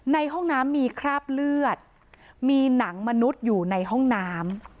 ในห้องน้ำมีคราบเลือดมีหนังมนุษย์อยู่ในห้องน้ำ